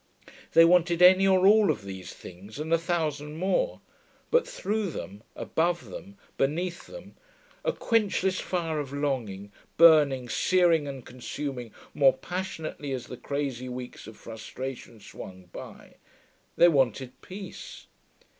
They wanted any or all of these things and a thousand more; but through them, above them, beneath them, a quenchless fire of longing, burning, searing and consuming more passionately as the crazy weeks of frustration swung by, they wanted peace....